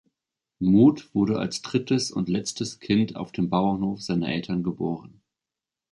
Muth wurde als drittes und letztes Kind auf dem Bauernhof seiner Eltern geboren.